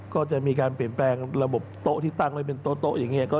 ก็จะมีการเปลี่ยนแปลงระบบโต๊ะที่ตั้งไว้เป็นโต๊ะอย่างนี้